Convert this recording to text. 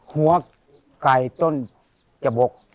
หัวกายต้นจบก